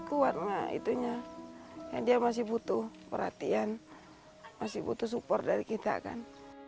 kuat nah itunya dia masih butuh perhatian masih butuh support dari kita kan